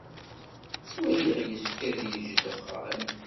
Ttwaliɣ yessefk ad yejj ddexxan.